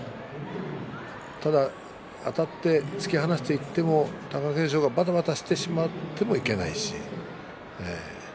ただあたって突き放していっても貴景勝がばたばたしてしまってもいけないし。